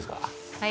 はい。